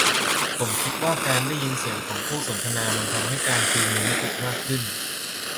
ผมคิดว่าการได้ยินเสียงของคู่สนทนามันทำให้การคุยมีมิติมากขึ้น